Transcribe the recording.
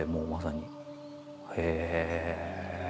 へえ。